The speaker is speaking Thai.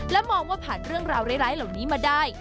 และมองว่าผ่านเรื่องราวร้ายเหล่านี้มาได้